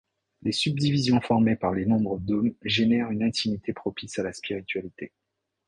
Les subdivisions formées par les nombreux dômes génèrent une intimité propice à la spiritualité.